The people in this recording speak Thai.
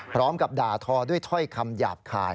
พร้อมกับด่าทอด้วยถ้อยคำหยาบคาย